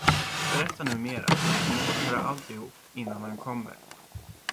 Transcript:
Berätta nu mera, jag måste höra alltihop, innan han kommer.